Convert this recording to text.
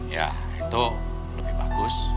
ya itu lebih bagus